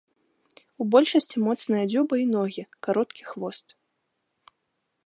У большасці моцная дзюба і ногі, кароткі хвост.